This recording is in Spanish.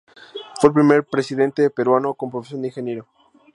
Fue el primer presidente peruano con profesión de ingeniero.